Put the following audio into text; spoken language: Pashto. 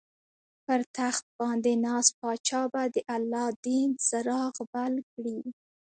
پر تخت باندې ناست پاچا به د الله دین څراغ بل کړي.